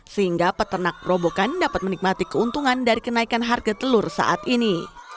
sehingga peternak perobokan dapat menikmati keuntungan dari kenaikan harga telur saat ini